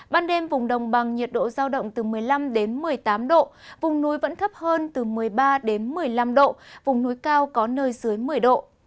ban đêm vùng đồng bằng nhiệt độ giao động từ một mươi năm đến một mươi tám độ vùng núi vẫn thấp hơn từ một mươi ba đến một mươi năm độ vùng núi cao có nơi dưới một mươi độ